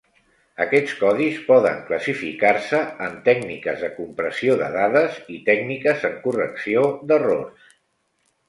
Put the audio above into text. Aquests codis poden classificar-se en tècniques de compressió de dades i tècniques en correcció d'errors.